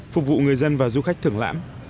phục vụ người dân và du khách thưởng lãm